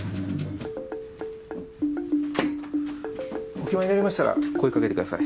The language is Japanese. お決まりになりましたら声かけてください。